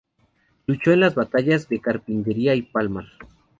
Luchó en las batallas de Carpintería y Palmar.